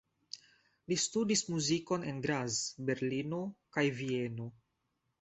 Li studis muzikon en Graz, Berlino kaj Vieno.